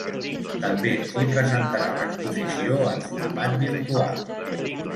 També s'hi presentarà l'exposició en format virtual.